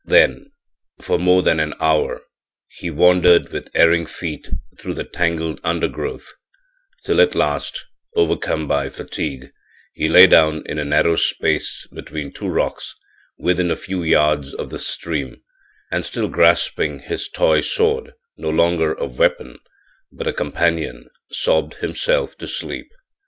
Then, for more than an hour, he wandered with erring feet through the tangled undergrowth, till at last, overcome by fatigue, he lay down in a narrow space between two rocks, within a few yards of the stream and still grasping his toy sword, no longer a weapon but a companion, sobbed himself to sleep.